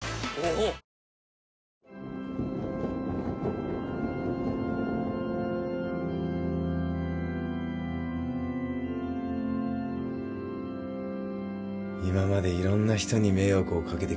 今までいろんな人に迷惑を掛けてきました。